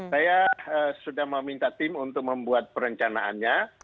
saya sudah meminta tim untuk membuat perencanaannya